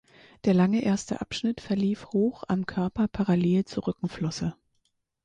Der lange erste Abschnitt verlief hoch am Körper parallel zur Rückenflosse.